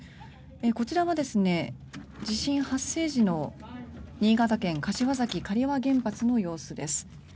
こちらは地震発生時の新潟県・柏崎刈羽原発の様子です。